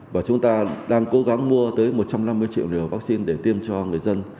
và chúng ta đang cố gắng mua tới một trăm năm mươi triệu liều vaccine để tiêm cho người dân